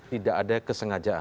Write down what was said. tidak ada kesengajaan